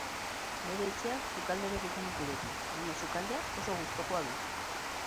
Bere etxean sukaldariak izan ditu beti, baina sukaldea oso gustukoa du.